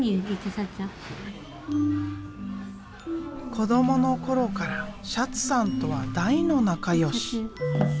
子どもの頃からシャツさんとは大の仲良し。